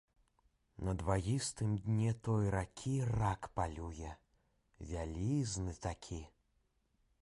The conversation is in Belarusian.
На дваістым дне той ракі рак палюе, вялізны такі.